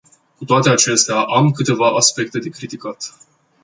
Cu toate acestea, am câteva aspecte de criticat.